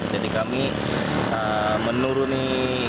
jadi kami menuruni